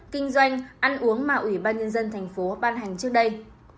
kinh doanh ăn uống mà ủy ban nhân dân tp hcm phan hành trước đây